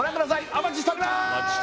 お待ちしております